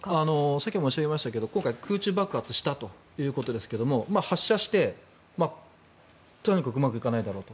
さっきも申し上げましたが今回、空中爆発したということですが発射して、とにかくうまくいかないだろうと。